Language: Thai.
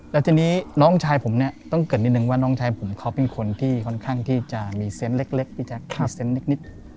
แล้วทีนี้น้องชายผมเนี่ยต้องเกิดนิดนึงว่าน้องชายผมเขาเป็นคนที่ค่อนข้างที่จะมีเซนต์เล็กพี่แจ๊คมีเซนต์เล็กนิด